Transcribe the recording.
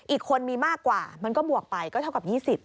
อีกคนมีมากกว่ามันก็บวกไปก็เท่ากับ๒๐